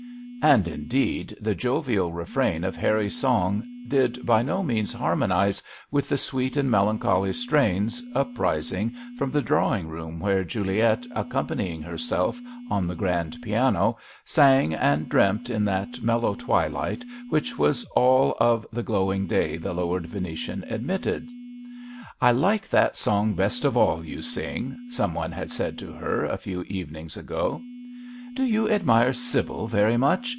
And indeed the jovial refrain of Harry's song did by no means MISS awjdkey at home. 177 harmonize with the sweet and melancholy strains uprising from the drawing room where Juliet, accompanying herself on the grand piano, sang and dreamt in that mellow twilight which was all of the glowing day the lowered Venetians admitted. " I like that song best of all you sing/' some one had said to her a few evenings ago. " Do you admire Sybille very much